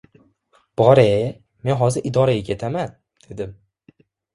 — Bor-ye, men hozir idoraga ketaman, — dedim.